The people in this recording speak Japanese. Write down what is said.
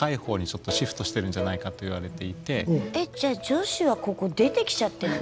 じゃあ女子はここ出てきちゃってるの？